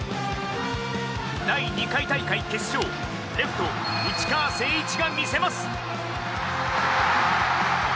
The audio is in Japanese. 第２回大会決勝レフト、内川聖一が見せます。